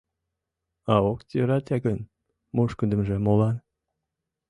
А ок йӧрате гын, мушкындемже молан?!